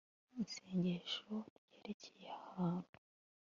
isengesho ryerekeye aha hantu